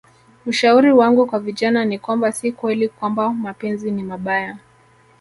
Ushauri wangu kwa vijana ni kwamba si kweli kwamba mapenzi ni mabaya